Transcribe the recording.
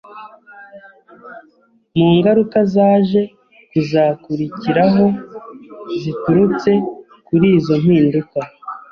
Mu ngaruka zaje kuzakurikiraho ziturutse kuri izo mpinduka,